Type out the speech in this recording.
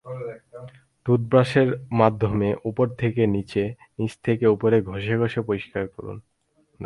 টুথব্রাশের মাধ্যমে ওপর থেকে নিচে, নিচে থেকে ওপরে ঘষে ঘষে পরিষ্কার করুন।